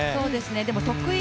でも得意・